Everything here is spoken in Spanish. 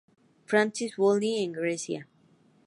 Francis folly en Grecia.